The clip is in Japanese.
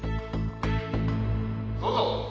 どうぞ！